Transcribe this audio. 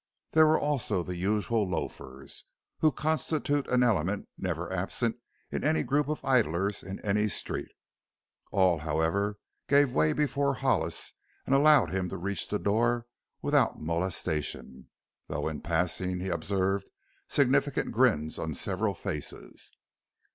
There were also the usual loafers, who constitute an element never absent in any group of idlers in any street. All, however, gave way before Hollis and allowed him to reach the door without molestation, though in passing he observed significant grins on several faces.